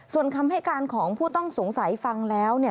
ส่วนคำให้การของผู้ต้องสงสัยฟังแล้ว